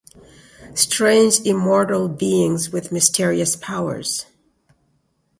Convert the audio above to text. Strange, immortal beings with mysterious powers.